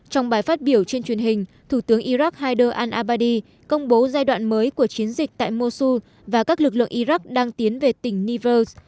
trong bài phát biểu trên truyền hình thủ tướng iraq haider al abadi công bố giai đoạn mới của chiến dịch tại musu và các lực lượng iraq đang tiến về tỉnh nivas